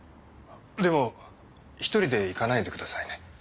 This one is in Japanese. でも１人で行かないでくださいね。